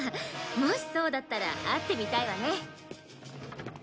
もしそうだったら会ってみたいわね。